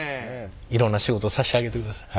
いろんな仕事さしてあげてください。